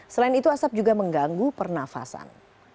selain itu asap juga mengganggu pernafasan